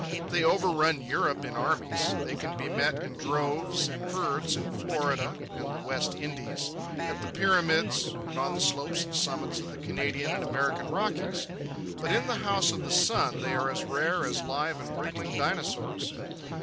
They overrun Europe in armies; they can be met in droves and herds in Florida and the West Indies, at the Pyramids, and on the slopes and summits of the Canadian and American Rockies; but in the House of the Sun they are as rare as live and wriggling dinosaurs.